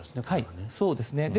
はい、そうですね。